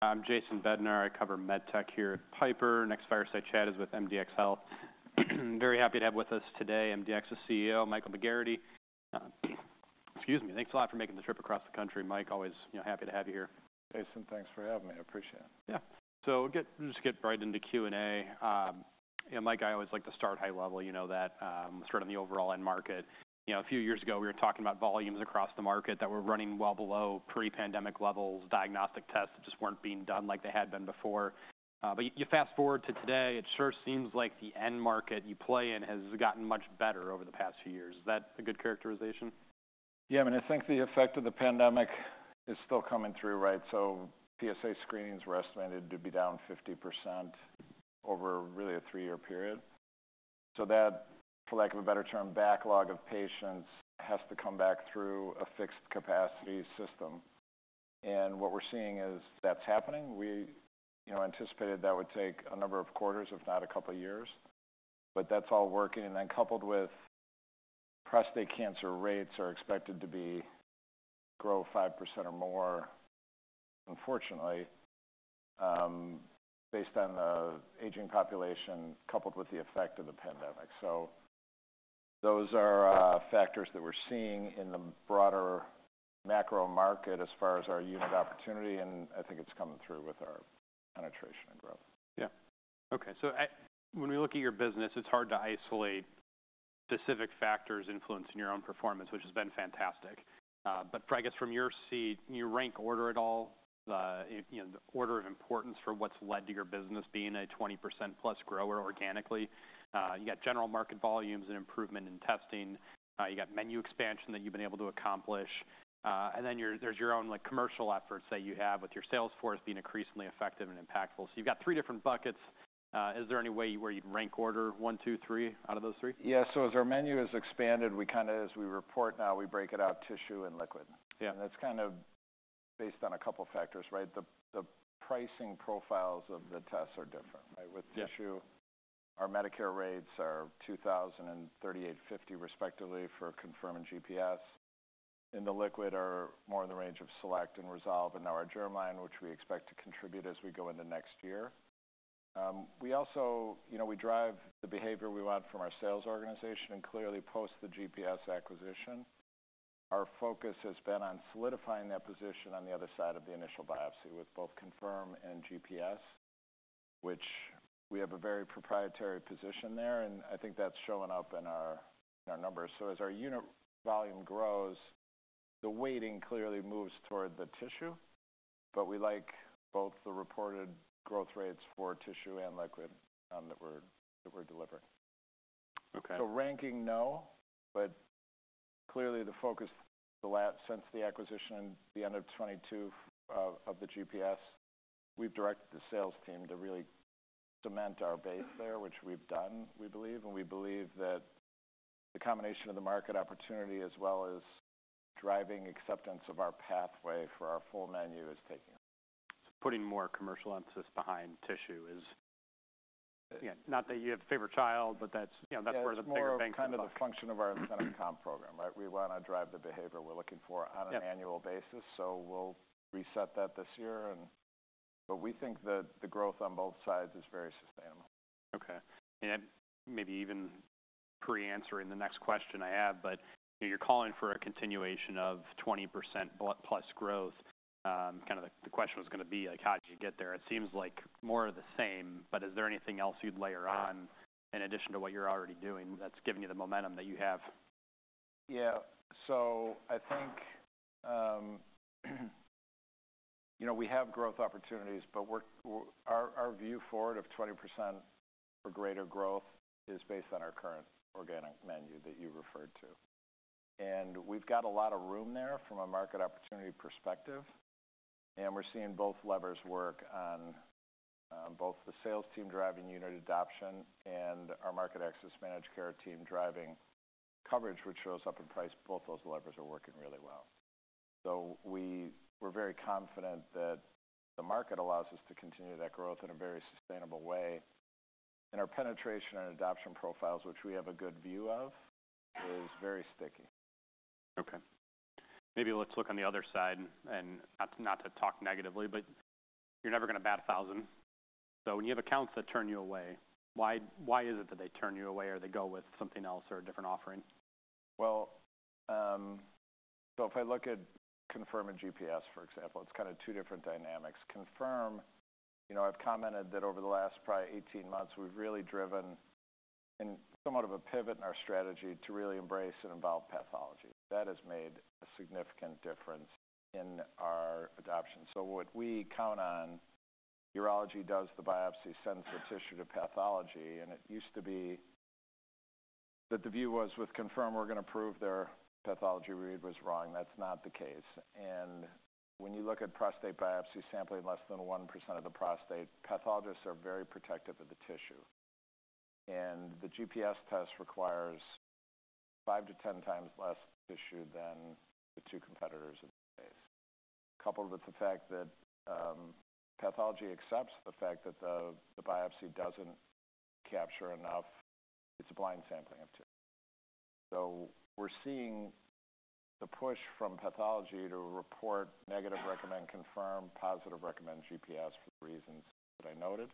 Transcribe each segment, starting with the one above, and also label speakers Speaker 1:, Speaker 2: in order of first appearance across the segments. Speaker 1: I'm Jason Bednar. I cover med tech here at Piper. Next Fireside Chat is with MDxHealth. Very happy to have with us today MDxHealth CEO Michael McGarrity. Excuse me. Thanks a lot for making the trip across the country, Mike. Always happy to have you here.
Speaker 2: Jason, thanks for having me. I appreciate it.
Speaker 1: Yeah. So let's just get right into Q&A, and Mike, I always like to start high level. You know, we're talking about the overall end market. A few years ago, we were talking about volumes across the market that were running well below pre-pandemic levels. Diagnostic tests just weren't being done like they had been before. But you fast forward to today, it sure seems like the end market you play in has gotten much better over the past few years. Is that a good characterization?
Speaker 2: Yeah. I mean, I think the effect of the pandemic is still coming through, right? So PSA screenings were estimated to be down 50% over really a three-year period. So that, for lack of a better term, backlog of patients has to come back through a fixed capacity system. And what we're seeing is that's happening. We anticipated that would take a number of quarters, if not a couple of years. But that's all working. And then coupled with prostate cancer rates are expected to grow 5% or more, unfortunately, based on the aging population coupled with the effect of the pandemic. So those are factors that we're seeing in the broader macro market as far as our unit opportunity. And I think it's coming through with our penetration and growth.
Speaker 1: Yeah. OK. So when we look at your business, it's hard to isolate specific factors influencing your own performance, which has been fantastic. But I guess from your seat, you rank order it all, the order of importance for what's led to your business being a 20% plus grower organically. You got general market volumes and improvement in testing. You got menu expansion that you've been able to accomplish. And then there's your own commercial efforts that you have with your sales force being increasingly effective and impactful. So you've got three different buckets. Is there any way where you'd rank order one, two, three out of those three?
Speaker 2: Yeah. So as our menu has expanded, we kind of, as we report now, we break it out tissue and liquid. And that's kind of based on a couple of factors, right? The pricing profiles of the tests are different. With tissue, our Medicare rates are $2,000 and $3,850 respectively for ConfirmMDx and GPS. In the liquid, our rates are more in the range of SelectMDx and ResolveMDx. And now our Germline, which we expect to contribute as we go into next year. We drive the behavior we want from our sales organization and clearly post the GPS acquisition. Our focus has been on solidifying that position on the other side of the initial biopsy with both ConfirmMDx and GPS, which we have a very proprietary position there. And I think that's showing up in our numbers. So as our unit volume grows, the weighting clearly moves toward the tissue. But we like both the reported growth rates for tissue and liquid that we're delivering. So, ranking, no. But clearly the focus, since the acquisition at the end of 2022 of the GPS, we've directed the sales team to really cement our base there, which we've done, we believe. And we believe that the combination of the market opportunity as well as driving acceptance of our pathway for our full menu is taking it.
Speaker 1: Putting more commercial emphasis behind tissue is not that you have a favorite child, but that's where the bigger bank comes in.
Speaker 2: That's kind of a function of our incentive comp program, right? We want to drive the behavior we're looking for on an annual basis. So we'll reset that this year. But we think that the growth on both sides is very sustainable.
Speaker 1: OK. And maybe even pre-answering the next question I have, but you're calling for a continuation of 20%+ growth. Kind of the question was going to be like, how did you get there? It seems like more of the same. But is there anything else you'd layer on in addition to what you're already doing that's giving you the momentum that you have?
Speaker 2: Yeah. So I think we have growth opportunities. But our view forward of 20% or greater growth is based on our current organic menu that you referred to. And we've got a lot of room there from a market opportunity perspective. And we're seeing both levers work on both the sales team driving unit adoption and our market access managed care team driving coverage, which shows up in price. Both those levers are working really well. So we're very confident that the market allows us to continue that growth in a very sustainable way. And our penetration and adoption profiles, which we have a good view of, is very sticky.
Speaker 1: OK. Maybe let's look on the other side. And not to talk negatively, but you're never going to bat 1,000. So when you have accounts that turn you away, why is it that they turn you away or they go with something else or a different offering?
Speaker 2: Well, so if I look at Confirm and GPS, for example, it's kind of two different dynamics. Confirm, I've commented that over the last probably 18 months, we've really driven somewhat of a pivot in our strategy to really embrace and involve pathology. That has made a significant difference in our adoption. So what we count on, urology does the biopsy, sends the tissue to pathology. And it used to be that the view was with Confirm, we're going to prove their pathology read was wrong. That's not the case. And when you look at prostate biopsy sampling, less than 1% of the prostate, pathologists are very protective of the tissue. And the GPS test requires 5 to 10 times less tissue than the two competitors in the space. Coupled with the fact that pathology accepts the fact that the biopsy doesn't capture enough, it's a blind sampling of tissue. We're seeing the push from pathology to report negative, recommend confirm, positive, recommend GPS for the reasons that I noted.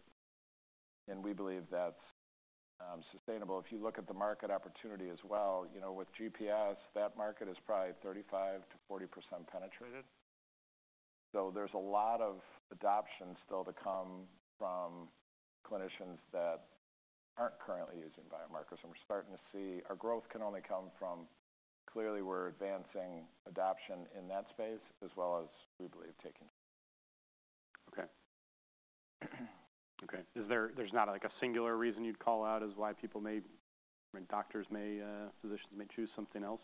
Speaker 2: And we believe that's sustainable. If you look at the market opportunity as well, with GPS, that market is probably 35%-40% penetrated. There's a lot of adoption still to come from clinicians that aren't currently using biomarkers. And we're starting to see our growth can only come from. Clearly, we're advancing adoption in that space as well as we believe taking it.
Speaker 1: OK. There's not like a singular reason you'd call out as why people may, doctors may, physicians may choose something else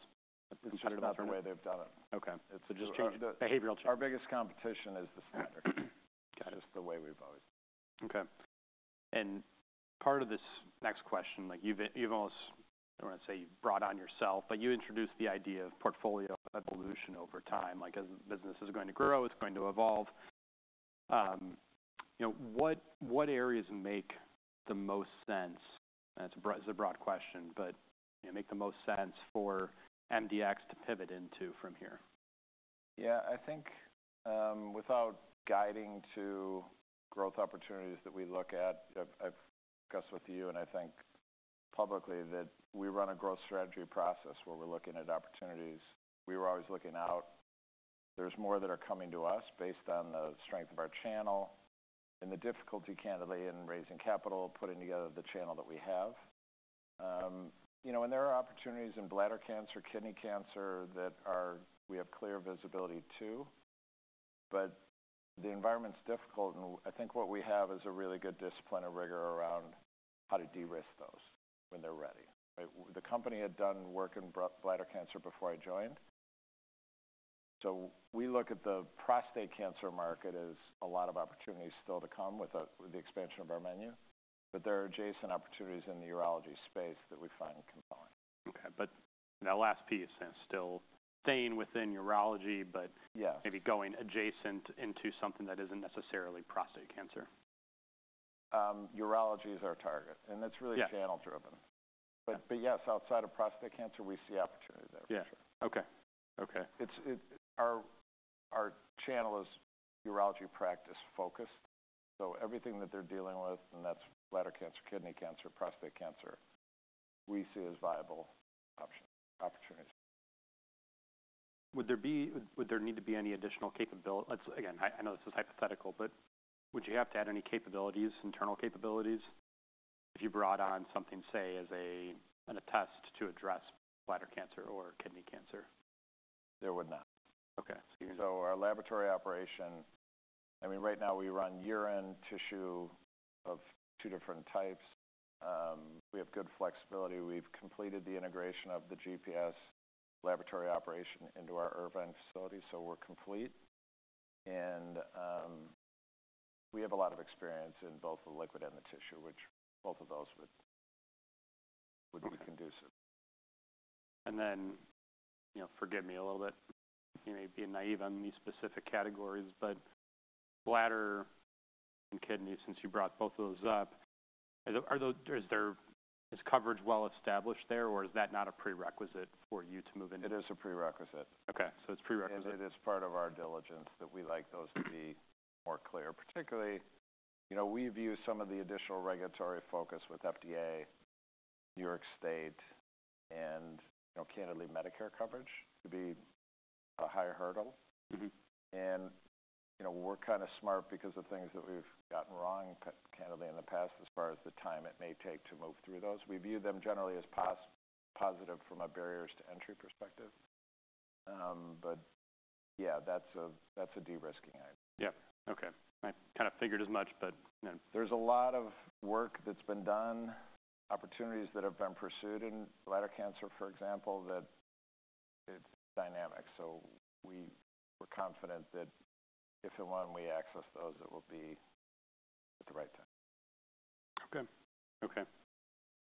Speaker 1: competitive option?
Speaker 2: It's just the way they've done it.
Speaker 1: OK. It's just behavioral change.
Speaker 2: Our biggest competition is the standard. It's the way we've always done it.
Speaker 1: OK. And part of this next question, you've almost, I don't want to say you've brought on yourself, but you introduced the idea of portfolio evolution over time. Like as the business is going to grow, it's going to evolve. What areas make the most sense? It's a broad question, but make the most sense for MDxHealth to pivot into from here?
Speaker 2: Yeah. I think without guiding to growth opportunities that we look at, I've discussed with you and I think publicly that we run a growth strategy process where we're looking at opportunities. We were always looking out. There's more that are coming to us based on the strength of our channel and the difficulty, candidly, in raising capital, putting together the channel that we have. And there are opportunities in bladder cancer, kidney cancer that we have clear visibility to. But the environment's difficult. And I think what we have is a really good discipline of rigor around how to de-risk those when they're ready. The company had done work in bladder cancer before I joined. So we look at the prostate cancer market as a lot of opportunities still to come with the expansion of our menu. But there are adjacent opportunities in the urology space that we find compelling.
Speaker 1: OK, but that last piece, still staying within urology, but maybe going adjacent into something that isn't necessarily prostate cancer.
Speaker 2: Urology is our target. And that's really channel driven. But yes, outside of prostate cancer, we see opportunity there, for sure.
Speaker 1: Yeah. OK.
Speaker 2: Our channel is urology practice focused, so everything that they're dealing with, and that's bladder cancer, kidney cancer, prostate cancer, we see as viable opportunities.
Speaker 1: Would there need to be any additional capability? Again, I know this is hypothetical, but would you have to add any internal capabilities if you brought on something, say, as a test to address bladder cancer or kidney cancer?
Speaker 2: There would not.
Speaker 1: OK.
Speaker 2: So our laboratory operation, I mean, right now we run urine tissue of two different types. We have good flexibility. We've completed the integration of the GPS laboratory operation into our Irvine facility. So we're complete. And we have a lot of experience in both the liquid and the tissue, which both of those would be conducive.
Speaker 1: Forgive me a little bit. You may be naive on these specific categories. Bladder and kidney, since you brought both of those up, is coverage well established there? Or is that not a prerequisite for you to move into?
Speaker 2: It is a prerequisite.
Speaker 1: OK, so it's prerequisite.
Speaker 2: And it is part of our diligence that we like those to be more clear. Particularly, we view some of the additional regulatory focus with FDA, New York State, and candidly, Medicare coverage to be a higher hurdle. And we're kind of smart because of things that we've gotten wrong, candidly, in the past as far as the time it may take to move through those. We view them generally as positive from a barriers to entry perspective. But yeah, that's a de-risking idea.
Speaker 1: Yeah. OK. I kind of figured as much, but.
Speaker 2: There's a lot of work that's been done, opportunities that have been pursued in bladder cancer, for example, that it's dynamic. So we're confident that if and when we access those, it will be at the right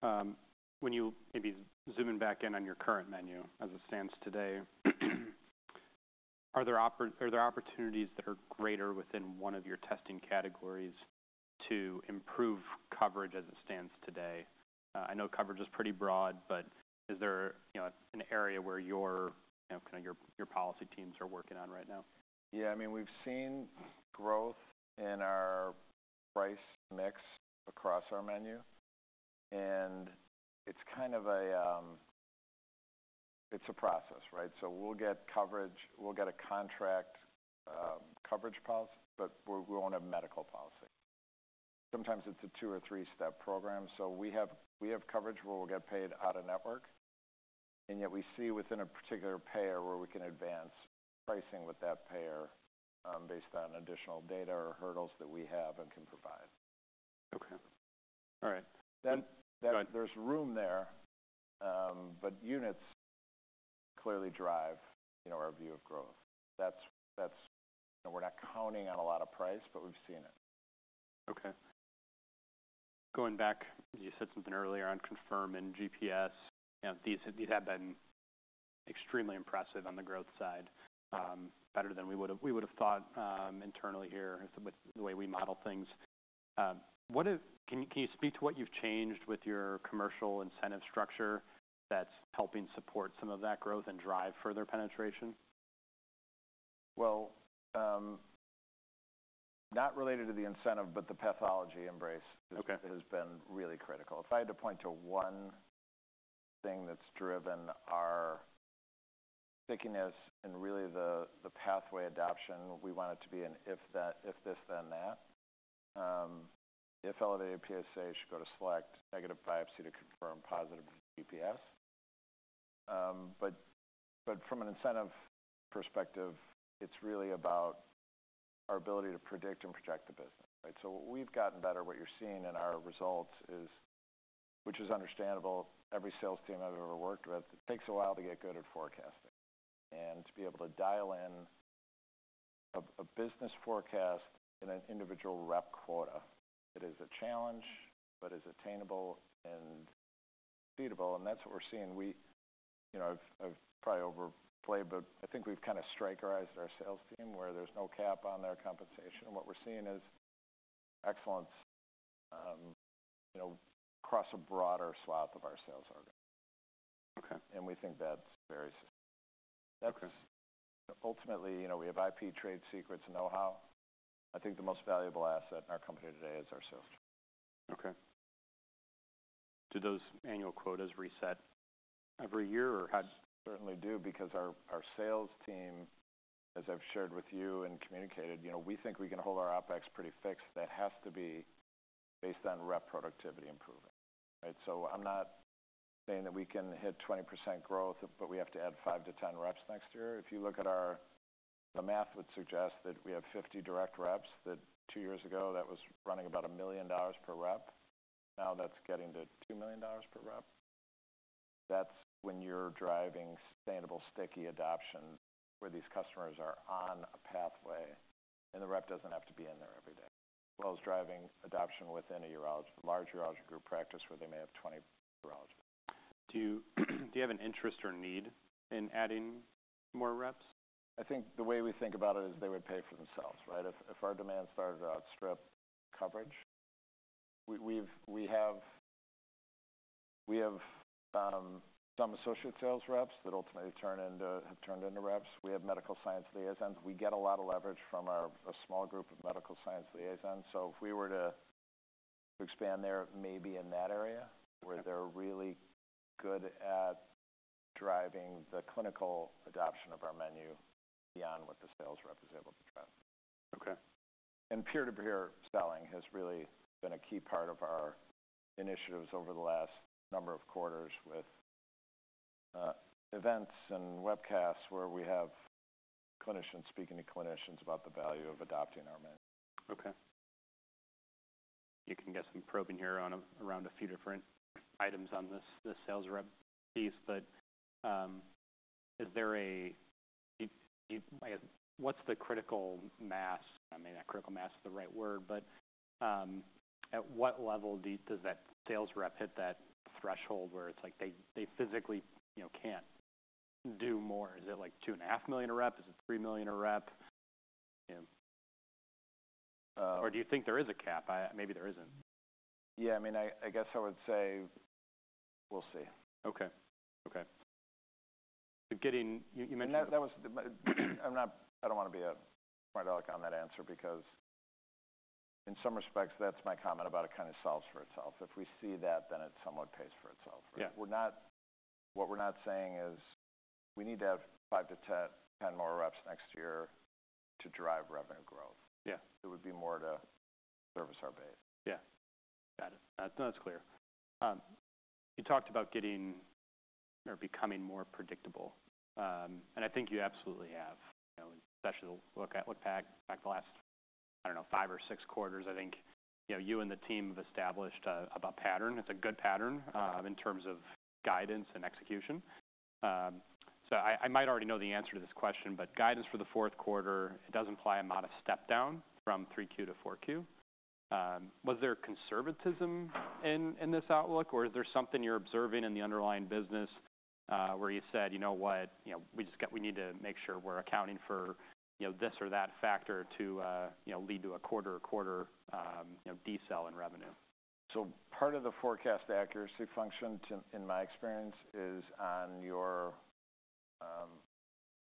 Speaker 2: time.
Speaker 1: When you maybe zoom in back in on your current menu as it stands today, are there opportunities that are greater within one of your testing categories to improve coverage as it stands today? I know coverage is pretty broad, but is there an area where your policy teams are working on right now?
Speaker 2: Yeah. I mean, we've seen growth in our price mix across our menu. And it's kind of a process, right? So we'll get coverage. We'll get a contract coverage policy. But we won't have medical policy. Sometimes it's a two or three-step program. So we have coverage where we'll get paid out of network. And yet we see within a particular payer where we can advance pricing with that payer based on additional data or hurdles that we have and can provide.
Speaker 1: OK. All right.
Speaker 2: There's room there. But units clearly drive our view of growth. We're not counting on a lot of price, but we've seen it.
Speaker 1: OK. Going back, you said something earlier on ConfirmMDx and GPS. These have been extremely impressive on the growth side, better than we would have thought internally here with the way we model things. Can you speak to what you've changed with your commercial incentive structure that's helping support some of that growth and drive further penetration?
Speaker 2: Not related to the incentive, but the pathology embrace has been really critical. If I had to point to one thing that's driven our stickiness and really the pathway adoption, we want it to be an if this, then that. If elevated PSA should go to select, negative biopsy to confirm positive GPS. But from an incentive perspective, it's really about our ability to predict and project the business, right? We've gotten better. What you're seeing in our results is, which is understandable. Every sales team I've ever worked with, it takes a while to get good at forecasting. To be able to dial in a business forecast in an individual rep quota, it is a challenge, but is attainable and feasible. That's what we're seeing. I've probably overplayed, but I think we've kind of incentivized our sales team where there's no cap on their compensation. What we're seeing is excellence across a broader swath of our sales organ. We think that's very sustainable. Ultimately, we have IP, trade secrets, and know-how. I think the most valuable asset in our company today is our sales team.
Speaker 1: OK. Do those annual quotas reset every year?
Speaker 2: Certainly do. Because our sales team, as I've shared with you and communicated, we think we can hold our OpEx pretty fixed. That has to be based on rep productivity improvement, right? So I'm not saying that we can hit 20% growth, but we have to add five to 10 reps next year. If you look at our math, it would suggest that we have 50 direct reps that two years ago was running about $1 million per rep. Now that's getting to $2 million per rep. That's when you're driving sustainable sticky adoption where these customers are on a pathway, and the rep doesn't have to be in there every day, as well as driving adoption within a large urology group practice where they may have 20 urologists.
Speaker 1: Do you have an interest or need in adding more reps?
Speaker 2: I think the way we think about it is they would pay for themselves, right? If our demand starts to outstrip coverage, we have some associate sales reps that ultimately have turned into reps. We have Medical Science Liaisons. We get a lot of leverage from a small group of Medical Science Liaisons, so if we were to expand there, maybe in that area where they're really good at driving the clinical adoption of our menu beyond what the sales rep is able to drive.
Speaker 1: OK.
Speaker 2: Peer-to-peer selling has really been a key part of our initiatives over the last number of quarters with events and webcasts where we have clinicians speaking to clinicians about the value of adopting our menu.
Speaker 1: OK. You can get some probing here around a few different items on the sales rep piece, but what's the critical mass? I mean, that critical mass is the right word, but at what level does that sales rep hit that threshold where it's like they physically can't do more? Is it like $2.5 million a rep? Is it $3 million a rep? Or do you think there is a cap? Maybe there isn't.
Speaker 2: Yeah. I mean, I guess I would say we'll see.
Speaker 1: OK. You mentioned.
Speaker 2: I don't want to be a polemic on that answer because in some respects, that's my comment about it kind of solves for itself. If we see that, then it somewhat pays for itself. What we're not saying is we need to have five to 10 more reps next year to drive revenue growth. It would be more to service our base.
Speaker 1: Yeah. Got it. That's clear. You talked about getting or becoming more predictable. And I think you absolutely have, especially looking back the last, I don't know, five or six quarters. I think you and the team have established a pattern. It's a good pattern in terms of guidance and execution. So I might already know the answer to this question. But guidance for the fourth quarter, it does imply a modest step down from 3Q to 4Q. Was there conservatism in this outlook? Or is there something you're observing in the underlying business where you said, you know what, we need to make sure we're accounting for this or that factor to lead to a quarter-to-quarter decel in revenue?
Speaker 2: So part of the forecast accuracy function, in my experience, is on your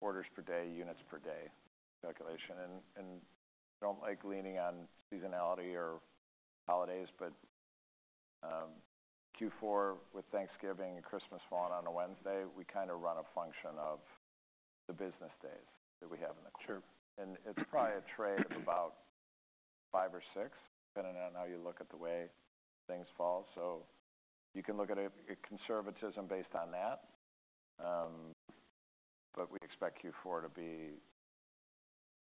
Speaker 2: orders per day, units per day calculation. And I don't like leaning on seasonality or holidays. But Q4 with Thanksgiving and Christmas falling on a Wednesday, we kind of run a function of the business days that we have in the quarter. And it's probably a trade of about five or six, depending on how you look at the way things fall. So you can look at conservatism based on that. But we expect Q4 to be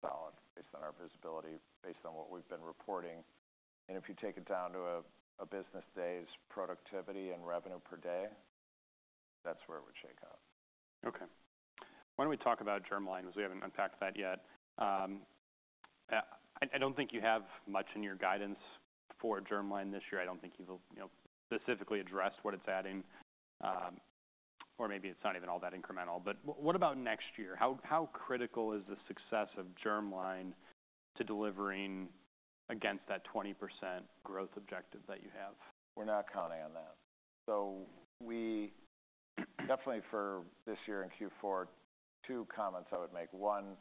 Speaker 2: solid based on our visibility, based on what we've been reporting. And if you take it down to a business day's productivity and revenue per day, that's where it would shake up.
Speaker 1: OK. Why don't we talk about Germline? Because we haven't unpacked that yet. I don't think you have much in your guidance for Germline this year. I don't think you've specifically addressed what it's adding. Or maybe it's not even all that incremental. But what about next year? How critical is the success of Germline to delivering against that 20% growth objective that you have?
Speaker 2: We're not counting on that, so definitely for this year in Q4, two comments I would make. One,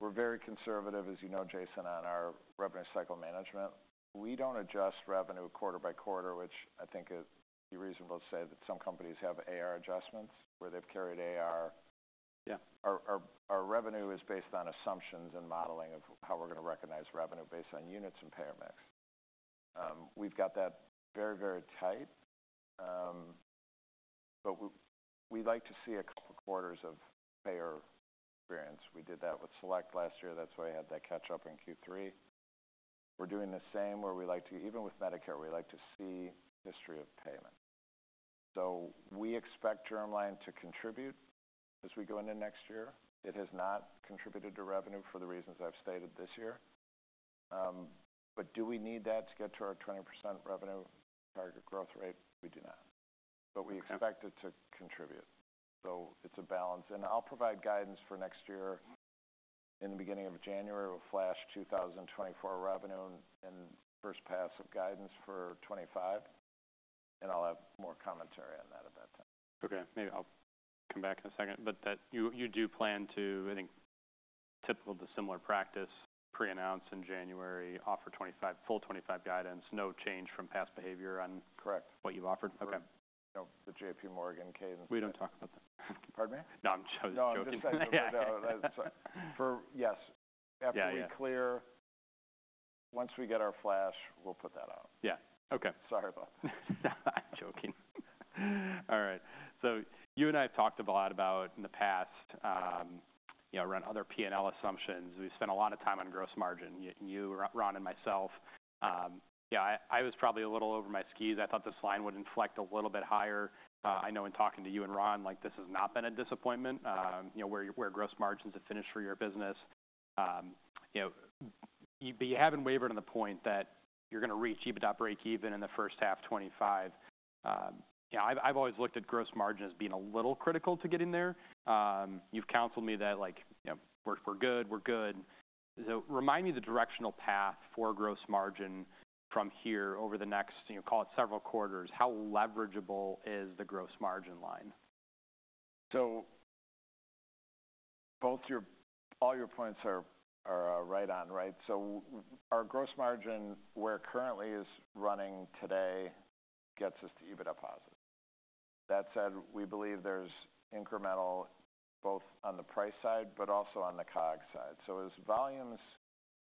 Speaker 2: we're very conservative, as you know, Jason, on our revenue cycle management. We don't adjust revenue quarter by quarter, which I think it would be reasonable to say that some companies have AR adjustments where they've carried AR. Our revenue is based on assumptions and modeling of how we're going to recognize revenue based on units and payer mix. We've got that very, very tight. But we'd like to see a couple of quarters of payer experience. We did that with Select last year. That's why we had that catch-up in Q3. We're doing the same, where we like to, even with Medicare, we like to see history of payment, so we expect Germline to contribute as we go into next year. It has not contributed to revenue for the reasons I've stated this year. But do we need that to get to our 20% revenue target growth rate? We do not. But we expect it to contribute. So it's a balance. And I'll provide guidance for next year. In the beginning of January, we'll flash 2024 revenue and first pass of guidance for 2025. And I'll have more commentary on that at that time.
Speaker 1: OK. Maybe I'll come back in a second. But you do plan to, I think typical of the similar practice, pre-announce in January, offer full 2025 guidance, no change from past behavior on what you've offered?
Speaker 2: Correct. The JPMorgan cadence.
Speaker 1: We don't talk about that.
Speaker 2: Pardon me?
Speaker 1: No, I'm joking.
Speaker 2: Yes. After we clear, once we get our flash, we'll put that out.
Speaker 1: Yeah. OK.
Speaker 2: Sorry about that.
Speaker 1: I'm joking. All right. So you and I have talked a lot about in the past around other P&L assumptions. We spent a lot of time on gross margin. You, Ron, and myself, I was probably a little over my skis. I thought this line would inflect a little bit higher. I know in talking to you and Ron, this has not been a disappointment where gross margins have finished for your business. But you haven't wavered on the point that you're going to reach EBITDA break-even in the first half of 2025. I've always looked at gross margin as being a little critical to getting there. You've counseled me that we're good. We're good. So remind me the directional path for gross margin from here over the next, call it several quarters. How leverageable is the gross margin line?
Speaker 2: So all your points are right on, right? So our gross margin, where currently is running today, gets us to EBITDA positive. That said, we believe there's incremental both on the price side but also on the COG side. So as volumes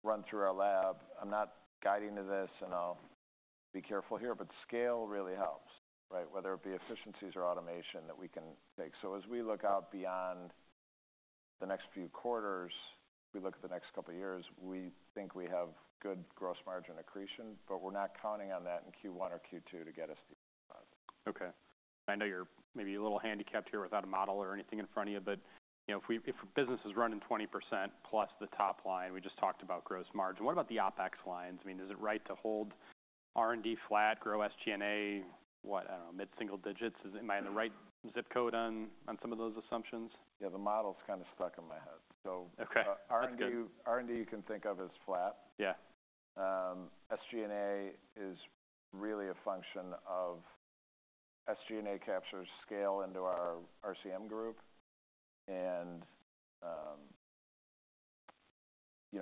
Speaker 2: run through our lab, I'm not guiding to this, and I'll be careful here, but scale really helps, right? Whether it be efficiencies or automation that we can take. So as we look out beyond the next few quarters, if we look at the next couple of years, we think we have good gross margin accretion. But we're not counting on that in Q1 or Q2 to get us to EBITDA positive.
Speaker 1: OK. I know you're maybe a little handicapped here without a model or anything in front of you. But if business is running 20%+ the top line, we just talked about gross margin, what about the OpEx lines? I mean, is it right to hold R&D flat, grow SG&A, what, I don't know, mid-single digits? Am I in the right zip code on some of those assumptions?
Speaker 2: Yeah. The model's kind of stuck in my head. So R&D you can think of as flat. Yeah, SG&A is really a function of SG&A captures scale into our RCM group. And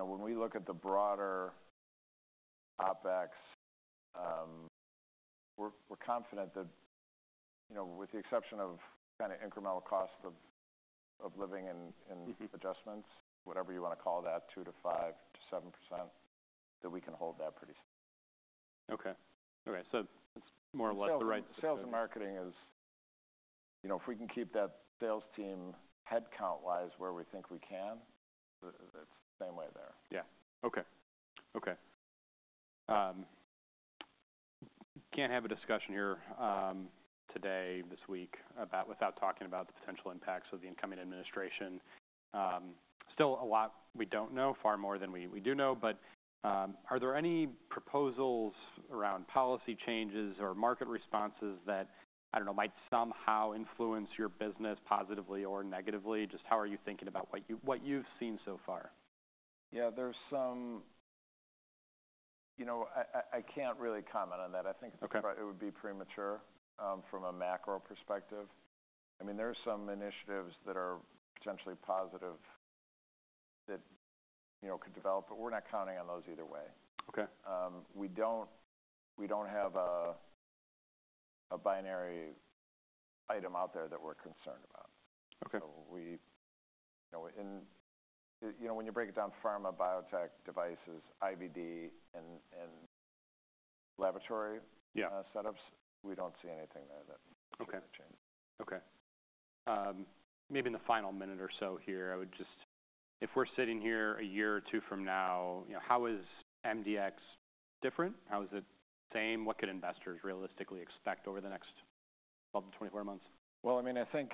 Speaker 2: when we look at the broader OpEx, we're confident that with the exception of kind of incremental cost of living and adjustments, whatever you want to call that, 2%-5%, to 7%, that we can hold that pretty steady.
Speaker 1: OK. So it's more or less the right.
Speaker 2: Sales and marketing is if we can keep that sales team headcount-wise where we think we can. It's the same way there.
Speaker 1: Yeah. OK. Can't have a discussion here today, this week, without talking about the potential impacts of the incoming administration. Still a lot we don't know, far more than we do know. But are there any proposals around policy changes or market responses that, I don't know, might somehow influence your business positively or negatively? Just how are you thinking about what you've seen so far?
Speaker 2: Yeah. There's some, you know, I can't really comment on that. I think it would be premature from a macro perspective. I mean, there are some initiatives that are potentially positive that could develop. But we're not counting on those either way. We don't have a binary item out there that we're concerned about. You know, when you break it down, pharma, biotech, devices, IVD, and laboratory setups, we don't see anything there that could change.
Speaker 1: OK. Maybe in the final minute or so here, I would just, if we're sitting here a year or two from now, how is MDx different? How is it the same? What could investors realistically expect over the next 12 to 24 months?
Speaker 2: Well, I mean, I think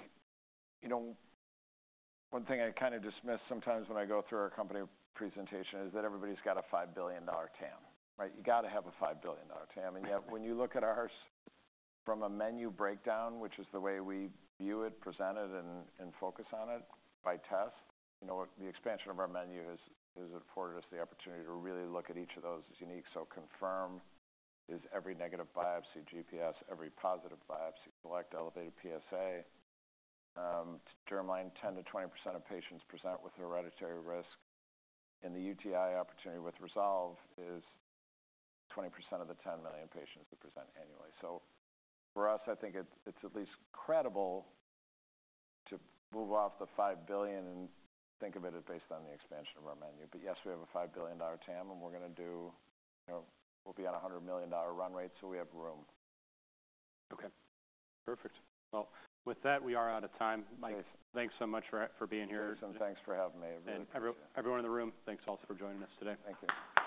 Speaker 2: one thing I kind of dismiss sometimes when I go through our company presentation is that everybody's got a $5 billion TAM. You've got to have a $5 billion TAM. And yet when you look at ours from a menu breakdown, which is the way we view it, present it, and focus on it by test, the expansion of our menu has afforded us the opportunity to really look at each of those as unique. So Confirm is every negative biopsy GPS, every positive biopsy Select elevated PSA. Germline, 10%-20% of patients present with hereditary risk. And the UTI opportunity with Resolve is 20% of the 10 million patients that present annually. So for us, I think it's at least credible to move off the $5 billion and think of it as based on the expansion of our menu. But yes, we have a $5 billion TAM. And we're going to do, we'll be on a $100 million run rate. So we have room.
Speaker 1: OK. Perfect. Well, with that, we are out of time.
Speaker 2: Nice.
Speaker 1: Thanks so much for being here.
Speaker 2: Thanks. And thanks for having me.
Speaker 1: And everyone in the room, thanks also for joining us today.
Speaker 2: Thank you.